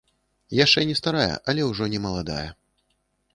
Яшчэ не старая, але ўжо не маладая.